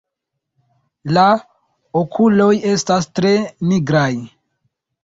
La okuloj estas tre nigraj.